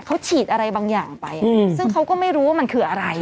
เขาฉีดอะไรบางอย่างไปซึ่งเขาก็ไม่รู้ว่ามันคืออะไร